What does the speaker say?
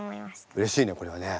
うれしいねこれはね。